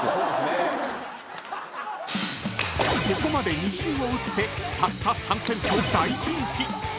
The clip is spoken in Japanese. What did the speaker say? ［ここまで２球を打ってたった３点と大ピンチ］